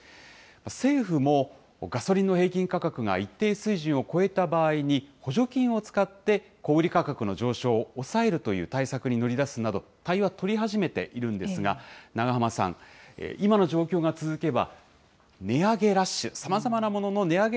政府も、ガソリンの平均価格が一定水準を超えた場合に、補助金を使って小売り価格の上昇を抑えるという対策に乗り出すなど、対応は取り始めているんですが、永濱さん、今の状況が続けば、値上げラッシュ、さまざまなものの値上げ